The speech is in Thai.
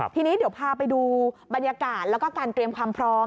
ทีนี้เดี๋ยวพาไปดูบรรยากาศแล้วก็การเตรียมความพร้อม